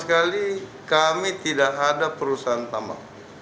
sekali kami tidak ada perusahaan tambang